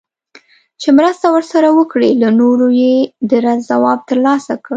چي مرسته ورسره وکړي له نورو یې د رد ځواب ترلاسه کړ